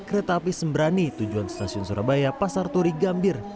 kereta api sembrani tujuan stasiun surabaya pasar turi gambir